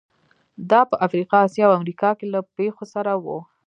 دا په افریقا، اسیا او امریکا کې له پېښو سره وو.